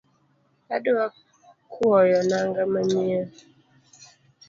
Adwa kwoyo nanga manyien